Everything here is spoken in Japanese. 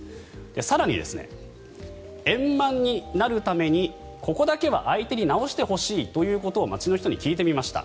更に円満になるためにここだけは相手に直してほしいということを街の人に聞いてみました。